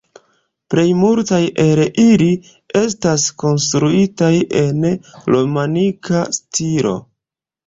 Plej multaj el ili estas konstruitaj en romanika stilo.